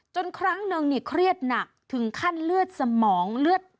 ครั้งนึงเนี่ยเครียดหนักถึงขั้นเลือดสมองเลือด